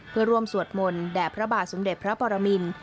เพื่อร่วมสวดมนต์แด่พระบาทสมเด็จพระปรมิน